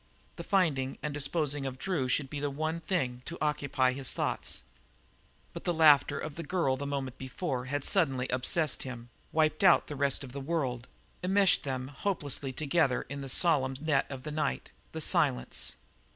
The finding and disposing of Drew should be the one thing to occupy his thoughts, but the laughter of the girl the moment before had suddenly obsessed him, wiped out the rest of the world, enmeshed them hopelessly together in the solemn net of the night, the silence.